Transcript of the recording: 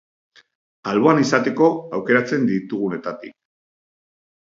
Alboan izateko aukeratzen ditugunetatik.